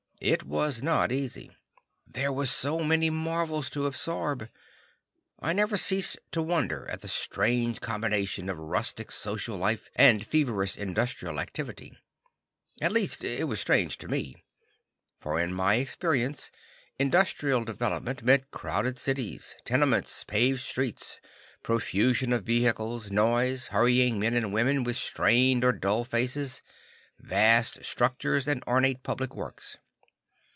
It was not easy. There were so many marvels to absorb. I never ceased to wonder at the strange combination of rustic social life and feverish industrial activity. At least, it was strange to me. For in my experience, industrial development meant crowded cities, tenements, paved streets, profusion of vehicles, noise, hurrying men and women with strained or dull faces, vast structures and ornate public works.